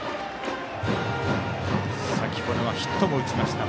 先ほどはヒットも打ちました